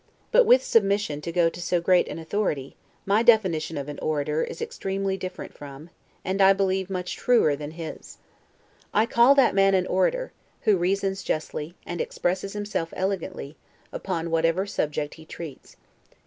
But, with submission to so great an authority, my definition of an orator is extremely different from, and I believe much truer than his. I call that man an orator, who reasons justly, and expresses himself elegantly, upon whatever subject he treats.